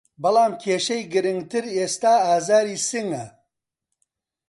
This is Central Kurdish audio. بەڵام کیشەی گرنگتر ئێستا ئازاری سنگه